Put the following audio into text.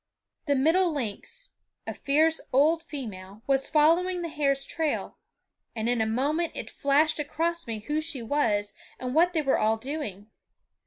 The middle lynx, a fierce old female, was following the hare's trail; and in a moment it flashed across me who she was and what they were all doing.